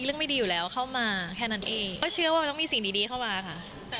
ไม่ดีอยู่แล้วเข้ามาแค่นั้นเองก็เชื่อว่าต้องมีสิ่งดีเข้ามาค่ะ